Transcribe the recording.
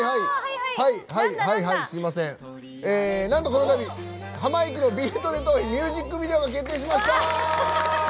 なんと、このたびハマいくの「ビートＤＥトーヒ」ミュージックビデオが決定しました！